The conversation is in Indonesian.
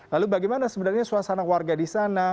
lalu bagaimana sebenarnya suasana warga disana